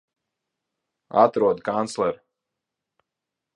Atrodi kancleru!